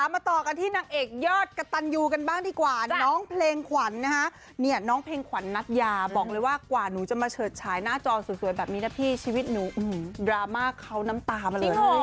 มาต่อกันที่นางเอกยอดกระตันยูกันบ้างดีกว่าน้องเพลงขวัญนะฮะเนี่ยน้องเพลงขวัญนัทยาบอกเลยว่ากว่าหนูจะมาเฉิดฉายหน้าจอสวยแบบนี้นะพี่ชีวิตหนูดราม่าเขาน้ำตามาเลย